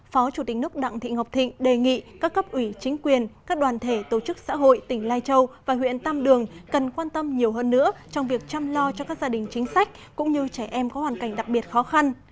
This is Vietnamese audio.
phó chủ tịch nước đặng thị ngọc thịnh đề nghị các cấp ủy chính quyền các đoàn thể tổ chức xã hội tỉnh lai châu và huyện tam đường cần quan tâm nhiều hơn nữa trong việc chăm lo cho các gia đình chính sách cũng như trẻ em có hoàn cảnh đặc biệt khó khăn